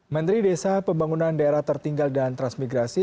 menteri desa pembangunan daerah tertinggal dan transmigrasi